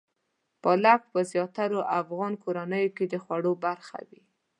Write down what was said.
پالک په زیاترو افغان کورنیو کې د خوړو برخه وي.